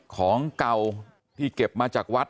ของเก่าที่เก็บมาจากวัด